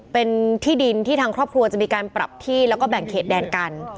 เป็นที่ดินที่ทางครอบครัวจะมีการปรับที่แล้วก็แบ่งเขตแดนกัน